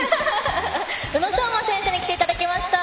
宇野昌磨選手に来ていただきました。